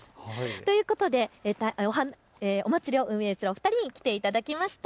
ということでお祭りを運営するお二人に来ていただきました。